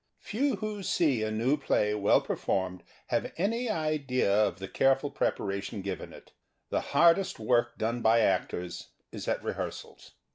Few who see a new play well per formed have any idea of the careful preparation given it. The hardest work done by actors is at rehearsals.